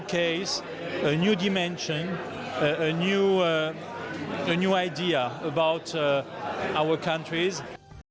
และความรู้สึกใหม่ของเศรษฐกิจ